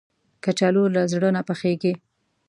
کچالو له زړه نه پخېږي